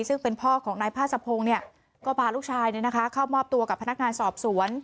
ซึ่งเป็นพ่อของนายพาสะพงศ์ก็พาลูกชายเข้ามอบตัวกับพนักงานสอบสวน